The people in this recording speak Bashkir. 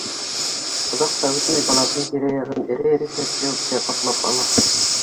Оҙаҡ та үтмәй, быларҙың тирә-яғын эре-эре сәтләүектәр ҡаплап ала.